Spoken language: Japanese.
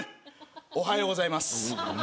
おはようございます。